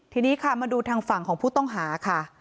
ทีนี้ค่ะมาดูทางฝั่งของผู้ต้องหาค่ะ